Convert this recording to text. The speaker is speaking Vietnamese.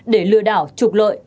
để lừa đảo trục lợi